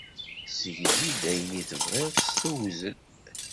Ssegzi-d ayen i tebɣiḍ s tewzel.